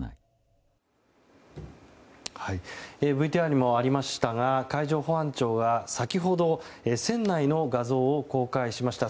ＶＴＲにもありましたが海上保安庁は先ほど船内の画像を公開しました。